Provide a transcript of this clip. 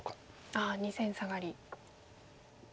ああ２線サガリ。